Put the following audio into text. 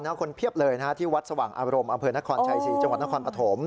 คนเพียบเลยนะฮะที่วัดสว่างอารมณ์อำเภอนครชัยศรีจังหวัดนครปฐม